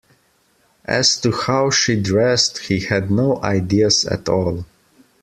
As to how she dressed, he had no ideas at all.